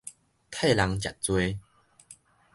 替人食罪